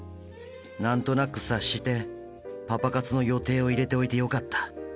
何となく察してパパ活の予定を入れておいてよかった。